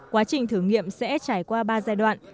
quá trình thử nghiệm sẽ trải qua ba giai đoạn